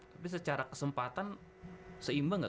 tapi secara kesempatan seimbang gak